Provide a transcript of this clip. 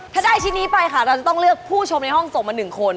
ถ้าได้ชิ้นนี้ไปค่ะเราจะต้องเลือกผู้ชมในห้องส่งมา๑คน